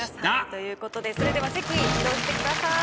ということでそれでは席移動してください。